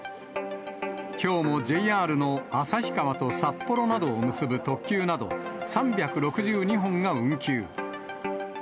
きょうもＪＲの旭川と札幌などを結ぶ特急など、３６２本が運休。